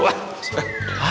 jangan deh itu lah